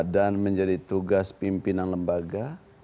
dan menjadi tugas pimpinan lembaga